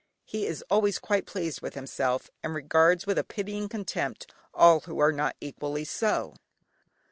He is always quite pleased with himself, and regards with a pitying contempt all who are not equally so.